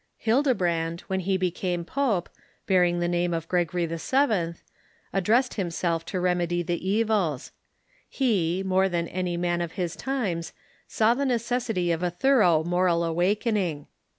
* Ilildebrand, Avlien he became pope, bearing the name of Gregory VII., addressed himself to remedy the evils. He, more than any man of his times, saw the necessity of a thor ough moral awakening.